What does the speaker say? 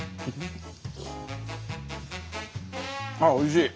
あっおいしい！